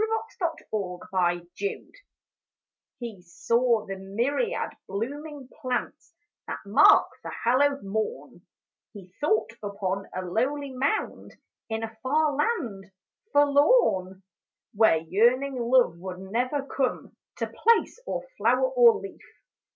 85 AT EASTER T Te saw the myriad blooming plants That mark the hallowed morn ; He thought upon a lowly mound In a far land, forlorn, Where yearning love would never come To place or flower or leaf.